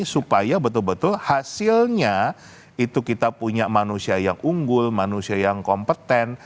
supaya betul betul hasilnya itu kita punya manusia yang unggul manusia yang kompeten